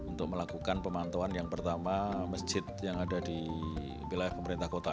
untuk melakukan pemantauan yang pertama masjid yang ada di wilayah pemerintah kota